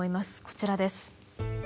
こちらです。